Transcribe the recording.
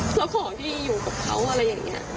แล้วของที่อยู่กับเขาอะไรอย่างเงี้ย